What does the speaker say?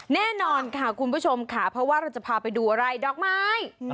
แน่นอนค่ะคุณผู้ชมค่ะเพราะว่าเราจะพาไปดูอะไรดอกไม้